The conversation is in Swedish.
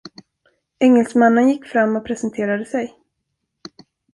Engelsmannen gick fram och presenterade sig.